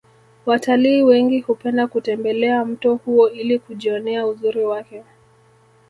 watalii wengi hupenda kutembelea mto huo ili kujionea uzuri wake